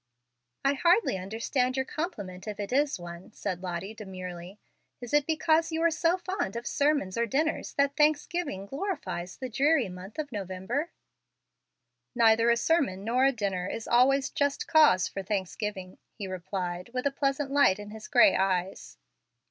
"I hardly understand your compliment, if it is one," said Lottie, demurely. "Is it because you are so fond of sermons or dinners that Thanksgiving glorifies the dreary month of November?" "Neither a sermon nor a dinner is always a just cause for Thanksgiving," he replied, with a pleasant light in his gray eyes.